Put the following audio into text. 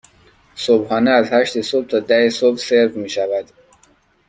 صبحانه از هشت صبح تا ده صبح سرو می شود.